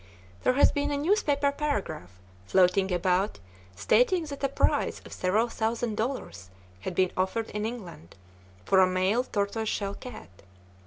There has been a newspaper paragraph floating about stating that a prize of several thousand dollars had been offered in England for a male tortoise shell cat.